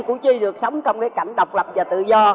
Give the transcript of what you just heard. cũng chưa được sống trong cái cảnh độc lập và tự do